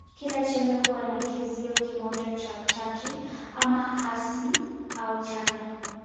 Kila chembe huwa na kizio kimoja cha chaji, ama hasi au chanya.